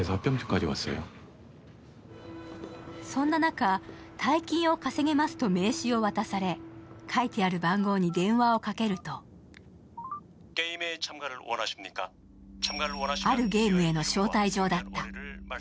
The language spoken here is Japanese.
そんな中、大金を稼げますと名刺を渡され書いてある番号に電話をかけるとあるゲームへの招待状だった。